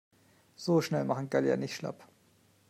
So schnell machen Gallier nicht schlapp.